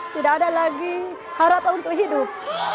tidak ada lagi harapan untuk hidup